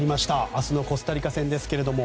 明日のコスタリカ戦ですが。